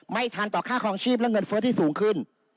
ไม่ทันต่อค่าคลองชีพและเงินเฟ้อที่สูงขึ้น